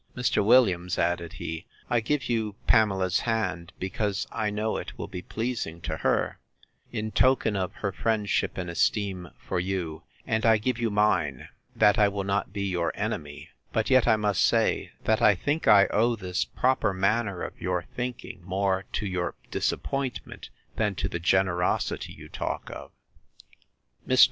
Mr. Williams, added he, I give you Pamela's hand, because I know it will be pleasing to her, in token of her friendship and esteem for you; and I give you mine, that I will not be your enemy: but yet I must say, that I think I owe this proper manner of your thinking more to your disappointment, than to the generosity you talk of. Mr.